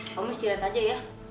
kamu istirahat aja ya